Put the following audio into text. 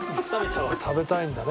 「食べたいんだね